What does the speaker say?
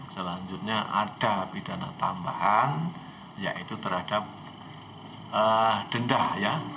selanjutnya ada pidana tambahan yaitu terhadap dendah